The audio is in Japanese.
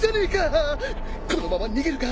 このまま逃げるか？